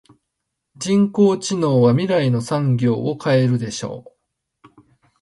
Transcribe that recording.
人工知能は未来の産業を変えるでしょう。